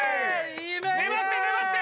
粘って粘って！